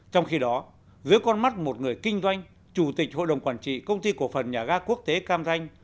trong khi đó dưới con mắt một người kinh doanh chủ tịch hội đồng quản trị công ty cổ phần nhà ga quốc tế cam ranh